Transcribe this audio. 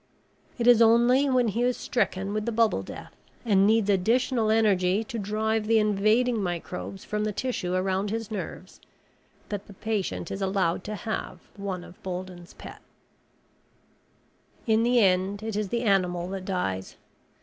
It is only when he is stricken with the Bubble Death and needs additional energy to drive the invading microbes from the tissue around his nerves that the patient is allowed to have one of Bolden's pets. In the end, it is the animal that dies.